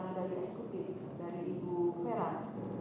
menyampaikan itu tidak diperbolehkan